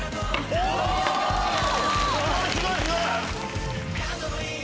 おすごいすごい！